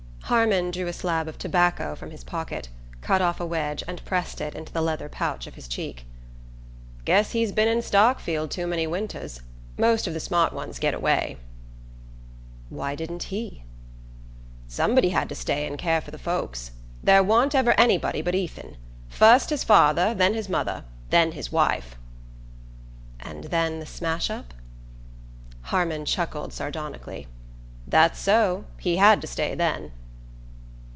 Harmon drew a slab of tobacco from his pocket, cut off a wedge and pressed it into the leather pouch of his cheek. "Guess he's been in Starkfield too many winters. Most of the smart ones get away." "Why didn't he?" "Somebody had to stay and care for the folks. There warn't ever anybody but Ethan. Fust his father then his mother then his wife." "And then the smash up?" Harmon chuckled sardonically. "That's so. He had to stay then."